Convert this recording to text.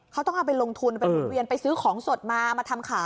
เขาต้องเอาไปลงทุนไปหมุนเวียนไปซื้อของสดมามาทำขาย